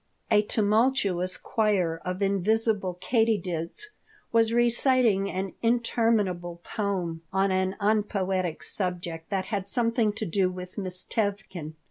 A tumultuous choir of invisible katydids was reciting an interminable poem on an unpoetic subject that had something to do with Miss Tevkin.